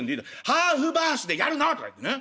「ハーフバースデーやるの！」とか言ってね。